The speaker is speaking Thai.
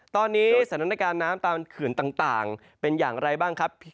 ตอนนี้สถานการณ์น้ำตามเขื่อนต่างเป็นอย่างไรบ้างครับ